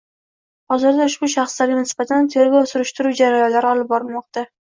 Hozirda ushbu shaxslarga nisbatan tergov-surishtiruv jarayonlari olib borilmoqda